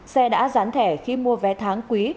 xe đã gián thẻ khi mua vé tháng quý